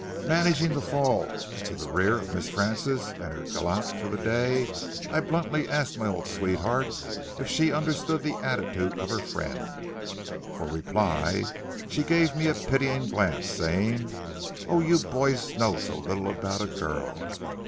Managing to fall to the rear of Miss Frances and her gallant for the day, I bluntly asked my old sweetheart if she understood the attitude of her friend. For reply she gave me a pitying glance, saying, "Oh, you boys know so little about a girl!